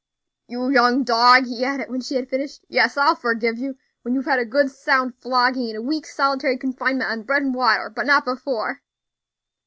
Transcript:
"You young dog!" he added, when she had finished. "Yes, I'll forgive you when you've had a good, sound flogging, and a week's solitary confinement on bread and water, but not before."